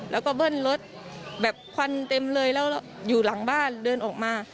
แล้วก็เบิ้ลรถแบบควันเต็มเลยแล้วอยู่หลังบ้านเดินออกมา